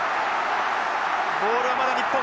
ボールはまだ日本。